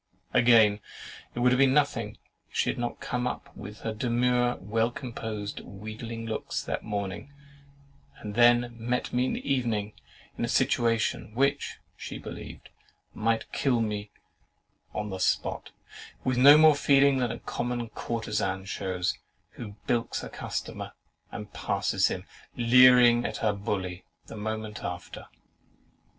Again, it would have been nothing, if she had not come up with her demure, well composed, wheedling looks that morning, and then met me in the evening in a situation, which (she believed) might kill me on the spot, with no more feeling than a common courtesan shews, who BILKS a customer, and passes him, leering up at her bully, the moment after.